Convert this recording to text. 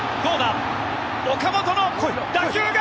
岡本の打球が！